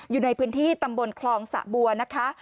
อยู่ในพื้นที่ตำบลคลองสะบัวนะคะ